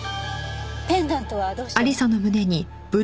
ペンダントはどうしたの？